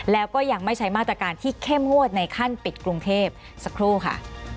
แล้วก็ยังไม่ใช้มาตรการที่เข้มงวดในขั้นปิดกรุงเทพสักครู่ค่ะ